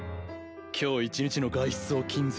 今日一日の外出を禁ずる。